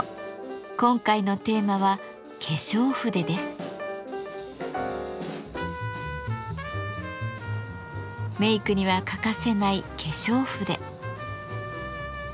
今回のテーマはメイクには欠かせない化粧筆。